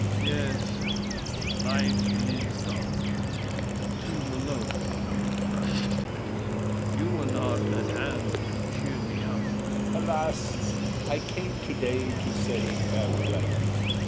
THE KING. Yes, life is dark; the tomb alone is bright. If you were not at hand to cheer me up— L'ANGELY. Alas! I came to day to say farewell.